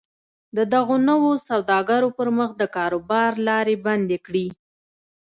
د دغو نویو سوداګرو پر مخ د کاروبار لارې بندې کړي